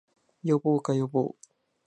呼ぼうか、呼ぼう